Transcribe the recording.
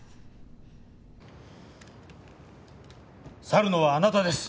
去るのはあなたです。